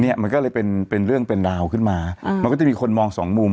เนี้ยมันก็เลยเป็นเป็นเรื่องเป็นราวขึ้นมามันก็จะมีคนมองสองมุม